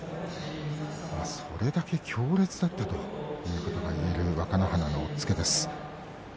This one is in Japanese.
それだけ強烈だったという若乃花の押っつけです。